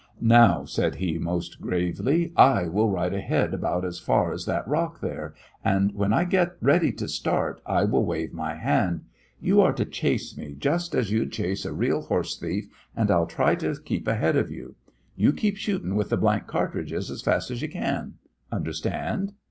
"Now," said he, most gravely, "I will ride ahead about as far as that rock there, and when I get ready to start, I will wave my hand. You're to chase me just as you'd chase a real horse thief, and I'll try to keep ahead of you. You keep shooting with the blank cartridges as fast as you can. Understand?"